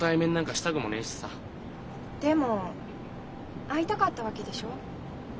でも会いたかったわけでしょう？